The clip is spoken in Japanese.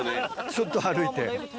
ちょっと歩いて。